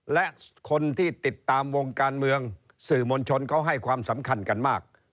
และคนที่ติดตามวงการเมืองสื่อมวลชนเขาให้ความสำคัญกันมาก